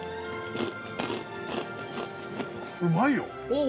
◆うまいよ！